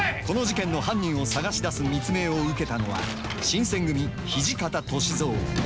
この事件の犯人を探し出す密命を受けたのは新選組土方歳三。